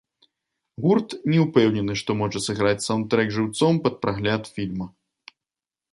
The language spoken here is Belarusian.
Гурт не ўпэўнены, што можа сыграць саўндтрэк жыўцом пад прагляд фільма.